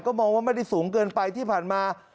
มองว่าไม่ได้สูงเกินไปที่ผ่านมา